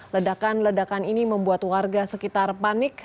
ledakan ledakan ini membuat warga sekitar panik